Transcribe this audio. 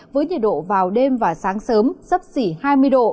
với nhiệt độ vào đêm và sáng sớm sắp xỉ hai mươi độ